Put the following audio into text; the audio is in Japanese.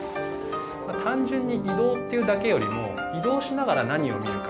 単純に移動っていうだけよりも移動しながら何を見るか？